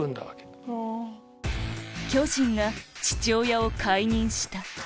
「巨人が父親を解任した」